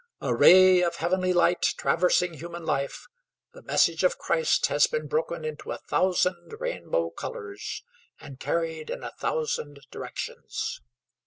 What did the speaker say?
A ray of heavenly light traversing human life, the message of Christ has been broken into a thousand rainbow colors, and carried in a thousand directions.